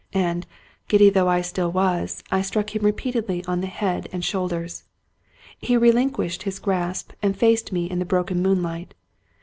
" And, giddy though I still was, I struck him repeatedly upon the head and shoulders. He relinquished his grasp, and faced me in the broken moonlight.